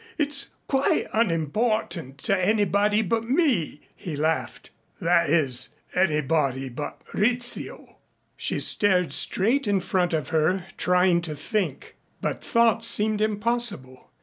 It's quite unimportant to anybody but me " he laughed, "that is, anybody but Rizzio." She stared straight in front of her trying to think, but thought seemed impossible.